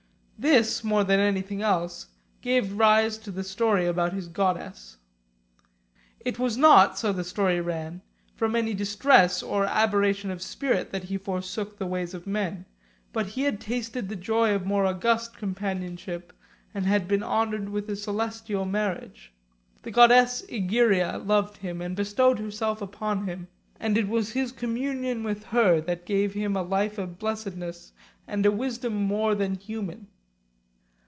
This, more than anything else, gave rise to the story about his goddess. It was not, so the story ran, from any distress or aberration of spirit that he for sook the ways of men, but he had tasted the joy of more august companionship and had been honoured with a celestial marriage ; the goddess Egeria loved him and bestowed herself upon him, and it was his communion with her that gave him a life of blessed ness and a wisdom more than human.